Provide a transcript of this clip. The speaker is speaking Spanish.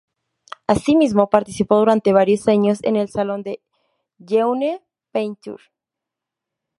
Asimismo participó durante varios años en el "Salon de la Jeune Peinture".